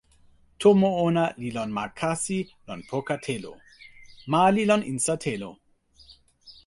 tomo ona li lon ma kasi lon poka telo. ma li lon insa telo.